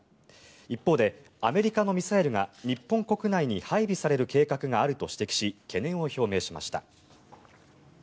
一方で、アメリカのミサイルが日本国内に配備される計画があると指摘し懸念を表明しました。